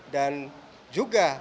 dan juga hadir